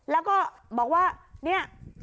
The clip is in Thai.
แล้วก็บอกว่าเนี่ย